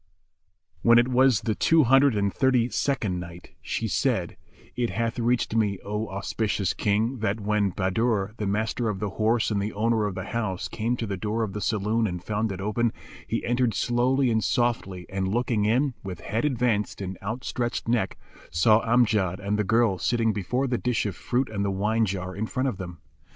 When it wad the Two Hundred and Thirty second Night, She said, It hath reached me, O auspicious King, that when Bahadur, the Master of the Horse and the owner of the house, came to the door of the saloon and found it open, he entered slowly and softly and looking in, with head advanced and out stretched neck, saw Amjad and the girl sitting before the dish of fruit and the wine jar in front of them.